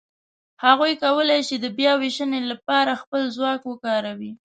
هغوی کولای شي د بیاوېشنې لهپاره خپل ځواک وکاروي.